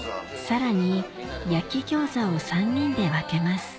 さらに焼き餃子を３人で分けます